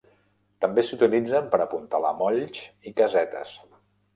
També s'utilitzen per apuntalar molls i casetes.